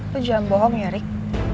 lu jangan bohong ya rik